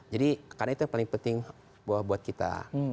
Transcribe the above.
jadi karena itu yang paling penting buat kita